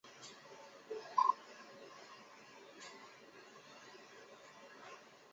该党以哇扬木偶戏中的查诺科为象征物。